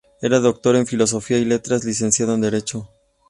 Era doctor en Filosofía y Letras y licenciado en Derecho.